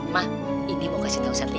ma ini mau kasih tau satria